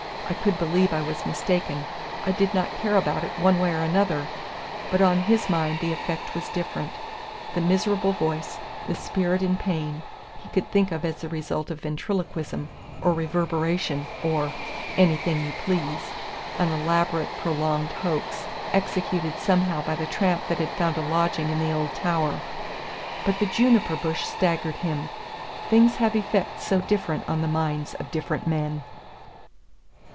I could believe I was mistaken. I did not care about it one way or other; but on his mind the effect was different. The miserable voice, the spirit in pain, he could think of as the result of ventriloquism, or reverberation, or anything you please: an elaborate prolonged hoax, executed somehow by the tramp that had found a lodging in the old tower; but the juniper bush staggered him. Things have effects so different on the minds of different men.